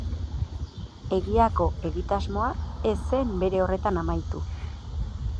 Egiako egitasmoa ez zen bere horretan amaitu.